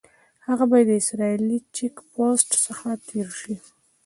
هغه باید د اسرائیلي چیک پوسټ څخه تېر شي.